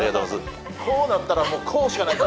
こうなったらもうこうしかない。